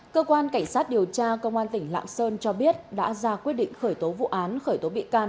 cơ quan cảnh sát điều tra công an tỉnh lạng sơn cho biết đã ra quyết định khởi tố vụ án khởi tố bị can